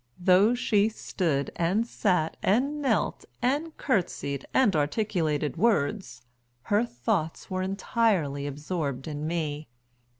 Though she stood, and sat, and knelt, and curtseyed, and articulated words, her thoughts were entirely absorbed in me.